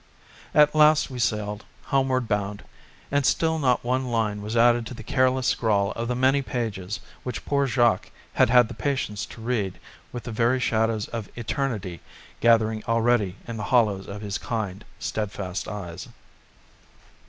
At last we sailed, homeward bound, and still not one line was added to the careless scrawl of the many pages which poor Jacques had had the patience to read with the very shadows of Eternity gathering already in the hollows of his kind, steadfast eyes.